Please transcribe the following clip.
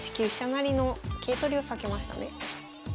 成の桂取りを避けましたね。